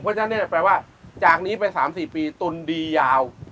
เพราะฉะนั้นแปลว่าจากนี้ไป๓๔ปีตุนดียาว